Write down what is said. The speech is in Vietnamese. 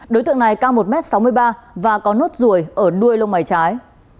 đối tượng này cao một m sáu mươi ba và có nốt ruồi ở đuôi lông mày trái